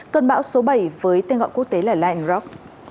cơn bão số bảy với tên gọi quốc tế là light rock